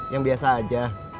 yang biasa aja